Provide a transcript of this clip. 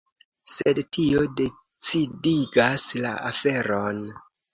Sed tio decidigas la aferon.